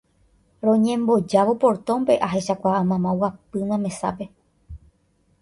Roñembojávo portónpe ahechakuaa mama oguapýma mesápe